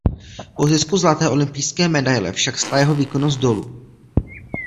Po zisku zlaté olympijské medaile však šla jeho výkonnost dolů.